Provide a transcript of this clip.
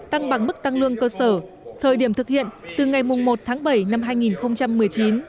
tăng bằng mức tăng lương cơ sở thời điểm thực hiện từ ngày một tháng bảy năm hai nghìn một mươi chín